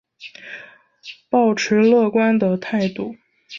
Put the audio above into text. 抱持乐观的态度